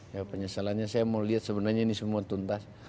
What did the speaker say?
ya penyesalannya saya mau lihat sebenarnya ini semua tuntas